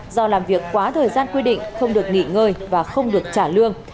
do làm việc quá thời gian quy định không được nghỉ ngơi và không được trả lương